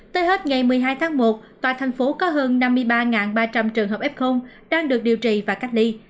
tới hết ngày một mươi hai tháng một toàn thành phố có hơn năm mươi ba ba trăm linh trường hợp f đang được điều trị và cách ly